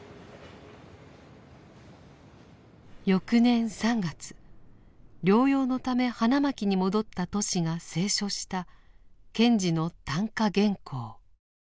翌年３月療養のため花巻に戻ったトシが清書した賢治の短歌原稿。